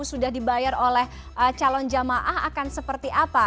sudah dibayar oleh calon jamaah akan seperti apa